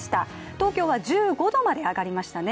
東京は１５度まで上がりましたね。